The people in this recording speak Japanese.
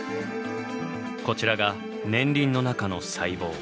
こちらが年輪の中の細胞。